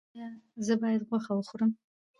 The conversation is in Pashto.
ایا زه باید غوښه وخورم؟